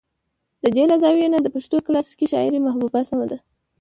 د دې له زاويې نه د پښتو د کلاسيکې شاعرۍ محبوبه سمه ده